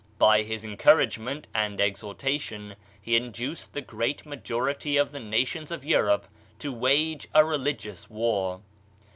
By his encour agement and exhortation he induced the greafl majority of the nations of Europe to wage a religi ous war.